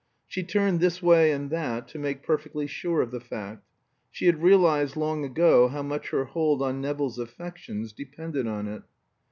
She turned this way and that to make perfectly sure of the fact. She had realized long ago how much her hold on Nevill's affections depended on it.